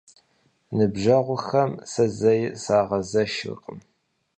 Ныбжьэгъухэм сэ зэи сагъэзэшыркъым.